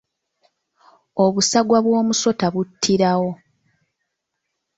Obusagwa bw’omusota buttirawo.